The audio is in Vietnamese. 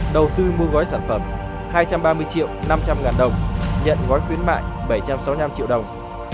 đầu tư mua gói sản phẩm hai trăm ba mươi triệu năm trăm linh ngàn đồng nhận gói khuyến mại bảy trăm sáu mươi năm triệu đồng